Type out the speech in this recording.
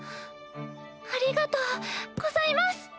ありがとうございます！